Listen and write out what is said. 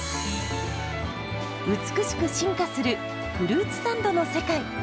美しく進化するフルーツサンドの世界。